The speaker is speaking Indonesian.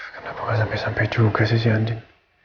kenapa kan sampe sampe juga sih sih andien